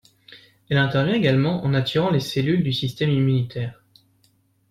Elle intervient également en attirant les cellules du système immunitaire.